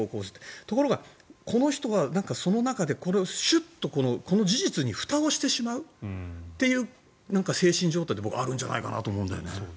ところが、この人はその中でシュッとこの事実にふたをしてしまうっていう精神状態ってあるんじゃないかと思うんですよね。